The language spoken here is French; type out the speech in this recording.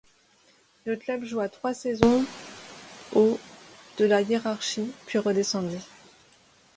Le club joua trois saisons au de la hiérarchie puis redescendit.